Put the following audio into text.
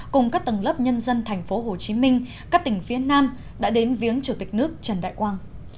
cùng các tầng lớp nhân dân tp hcm các tỉnh phía nam đã đến viếng chủ tịch nước trần đại quang